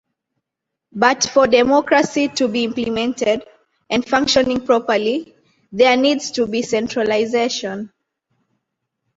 But for democracy to be implemented, and functioning properly, there needs to be centralization.